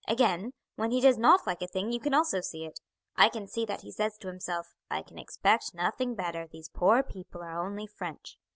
Again, when he does not like a thing you can also see it. I can see that he says to himself, I can expect nothing better, these poor people are only French.